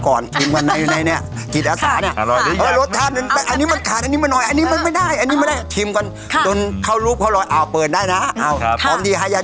คือจีดอาสาเนี่ยบางคนไปเป็นพนักงานร้านก๋วยเตี๋ยว